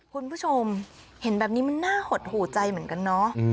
คุณผู้ชมเห็นแบบนี้มันน่าหดหูใจเหมือนกันเนาะ